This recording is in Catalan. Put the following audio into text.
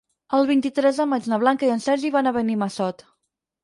El vint-i-tres de maig na Blanca i en Sergi van a Benimassot.